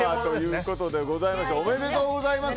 おめでとうございます。